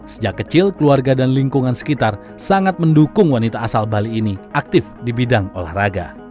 sejak kecil keluarga dan lingkungan sekitar sangat mendukung wanita asal bali ini aktif di bidang olahraga